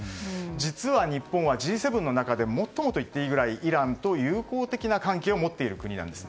実は日本はＧ７の中で最もと言っていいくらいイランと友好的な関係を持っている国なんです。